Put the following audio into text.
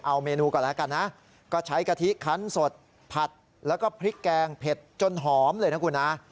เอาเมนูก่อนแล้วกันนะก็ใช้กะทิคันสดผัดแล้วก็พริกแกงเผ็ดจนหอมเลยนะคุณนะ